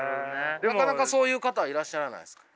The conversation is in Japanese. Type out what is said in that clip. なかなかそういう方はいらっしゃらないですか？